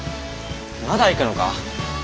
まだ行くのか？